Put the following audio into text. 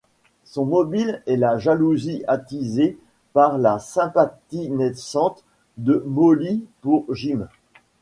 Son mobile est la jalousie attisée par la sympathie naissante de Molly pour Jim.